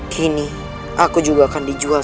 kini aku juga akan dijual